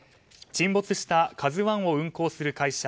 沈没した「ＫＡＺＵ１」を運航する会社